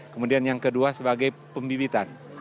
kemudian yang kedua sebagai pembibitan